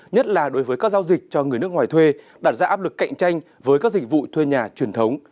nhất là đối với các giao dịch cho người nước ngoài thuê đặt ra áp lực cạnh tranh với các dịch vụ thuê nhà truyền thống